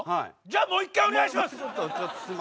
じゃあもう一回お願いします！